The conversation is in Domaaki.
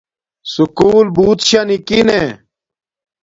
سکُول بوت شاہ نیکی نے